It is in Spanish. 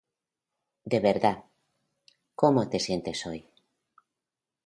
De verdad, ¿cómo te sientes hoy?